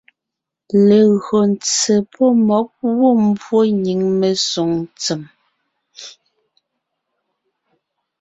Legÿo ntse pɔ́ mmɔ̌g gwɔ̂ mbwó nyìŋ mesoŋ ntsèm,